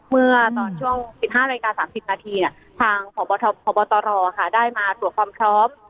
เมื่อตอนช่วง๑๕นาฬิกา๓๐นาทีทางพบตรได้มาตรวจความพร้อม